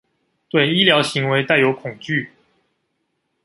對醫療行為帶有恐懼